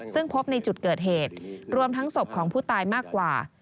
ซึ่งพบในจุดเกิดเหตุรวมทั้งศพของผู้ตายมากกว่า